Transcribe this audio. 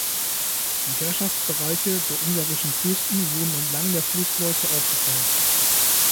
Die Herrschaftsbereiche der ungarischen Fürsten wurden entlang der Flussläufe aufgeteilt.